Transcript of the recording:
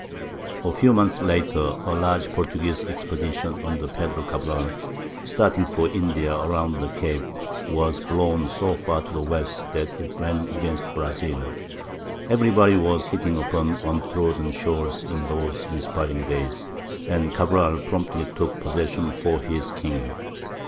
A few months later a large Portuguese expedition under Pedro Cabral, starting for India around the cape, was blown so far to the west that it ran against Brazil. Everybody was hitting upon untrodden shores in those inspiring days, and Cabral promptly took possession for his king.